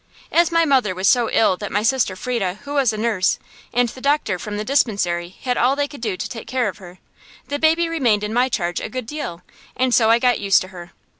As my mother was so ill that my sister Frieda, who was nurse, and the doctor from the dispensary had all they could do to take care of her, the baby remained in my charge a good deal, and so I got used to her.